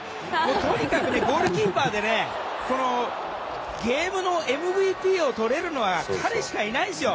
とにかくゴールキーパーでゲームのＭＶＰを取れるのは彼しかいないですよ。